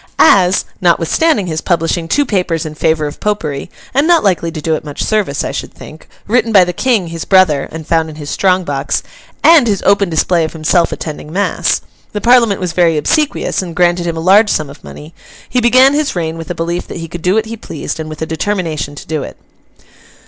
As—notwithstanding his publishing two papers in favour of Popery (and not likely to do it much service, I should think) written by the King, his brother, and found in his strong box; and his open display of himself attending mass—the Parliament was very obsequious, and granted him a large sum of money, he began his reign with a belief that he could do what he pleased, and with a determination to do it.